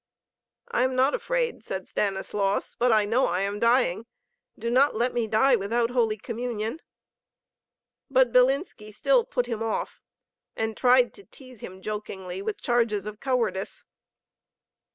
"I am not afraid," said Stanislaus. "But I know I am dying. Do not let me die without Holy Communion." But Bilinski still put him off, and tried to tease him jokingly with charges of cowardice.